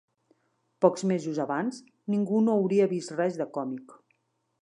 Pocs mesos abans, ningú no hauria vist res de còmic